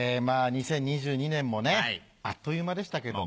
２０２２年もねあっという間でしたけども。